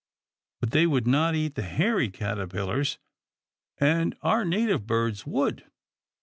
But they would not eat the hairy caterpillars, and our native birds would.